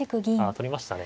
取りましたね。